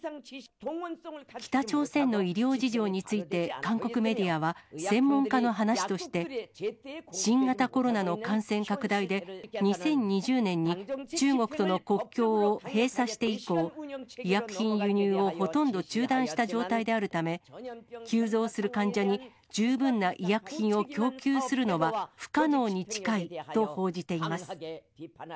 北朝鮮の医療事情について、韓国メディアは、専門家の話として、新型コロナの感染拡大で、２０２０年に中国との国境を閉鎖して以降、医薬品輸入をほとんど中断した状態であるため、急増する患者に十分な医薬品を供給するのは不可能に近いと報じています。